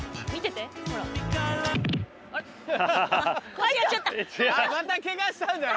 腰やっちゃった。